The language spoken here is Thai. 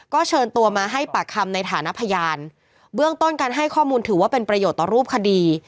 ก็เชิญตัวมาให้ปากคำในฐานะพยานเบื้องต้นการให้ข้อมูลถือว่าเป็นประโยชน์ต่อรูปคดี